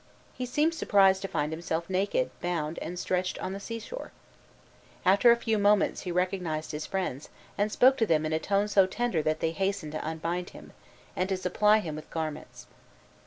He seemed surprised to find himself naked, bound, and stretched on the sea shore. After a few moments he recognized his friends, and spoke to them in a tone so tender that they hastened to unbind him, and to supply him with garments.